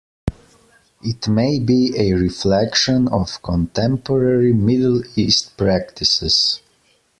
It may be a reflection of contemporary Middle East practices.